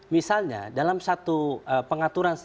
misalnya dalam satu pengaturan